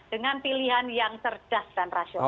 dengan pilihan yang cerdas dan rasional